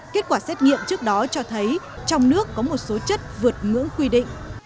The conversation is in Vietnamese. kết quả xét nghiệm trước đó cho thấy trong nước có một số chất vượt ngưỡng quy định